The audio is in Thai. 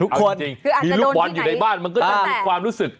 ทุกคนคืออาจจะโดนที่ไหนที่ลูกบอลอยู่ในบ้านมันก็จะมีความรู้สึก